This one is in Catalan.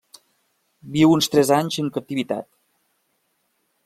Viu uns tres anys en captivitat.